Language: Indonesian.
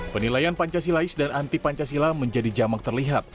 penilaian pancasilais dan anti pancasila menjadi jamak terlihat